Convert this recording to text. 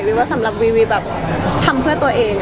ว่าสำหรับวีวีแบบทำเพื่อตัวเอง